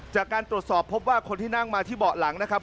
จากการตรวจสอบพบว่าคนที่นั่งมาที่เบาะหลังนะครับ